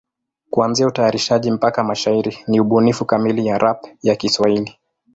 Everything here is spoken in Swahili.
Kuanzia utayarishaji mpaka mashairi ni ubunifu kamili ya rap ya Kiswahili.